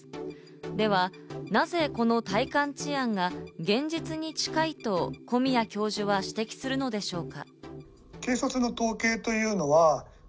ではなぜ、この体感治安が現実に近いと、小宮教授は指摘するのでしょうか？